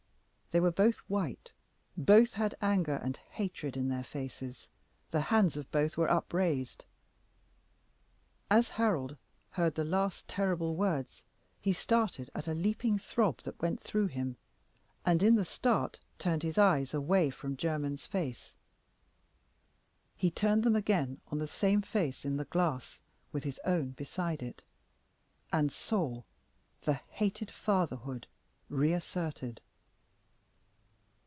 They were both white; both had anger and hatred in their faces; the hands of both were upraised. As Harold heard the last terrible words he started at a leaping throb that went through him, and in the start turned his eyes away from Jermyn's face. He turned them on the same face in the glass with his own beside it, and saw the hated fatherhood reasserted.